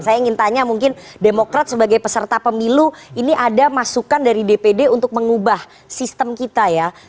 saya ingin tanya mungkin demokrat sebagai peserta pemilu ini ada masukan dari dpd untuk mengubah sistem kita ya